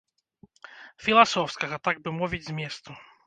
Філасофскага, так бы мовіць, зместу.